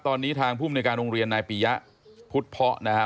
ตอนนี้ทางผู้อำนวยการโรงเรียนนายปียะพุทธพนะครับ